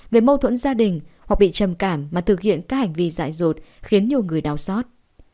về mâu thuẫn gia đình hoặc bị trầm cảm mà thực hiện các hành vi dại rột khiến nhiều người đau xót